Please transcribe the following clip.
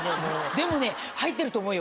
でもね入ってると思うよ。